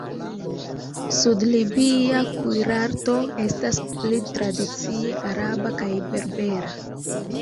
Sud-libia kuirarto estas pli tradicie araba kaj berbera.